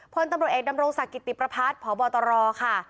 เพื่อนตำรวจเอกนำรงสกิติประพัดพบตค่ะ